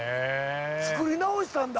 作り直したんだ。